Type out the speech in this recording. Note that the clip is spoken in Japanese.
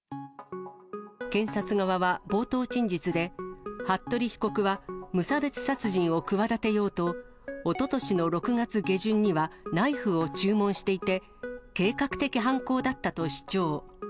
検察側は冒頭陳述で、服部被告は無差別殺人を企てようと、おととしの６月下旬にはナイフを注文していて、計画的犯行だったと主張。